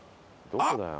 どこだよ？